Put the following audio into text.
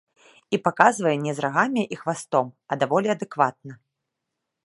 І паказвае не з рагамі і хвастом, а даволі адэкватна.